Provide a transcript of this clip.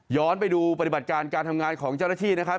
ไปดูปฏิบัติการการทำงานของเจ้าหน้าที่นะครับ